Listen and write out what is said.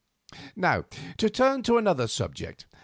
"To turn to another subject.